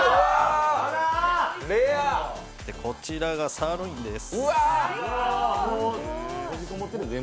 こちらがサーロインです。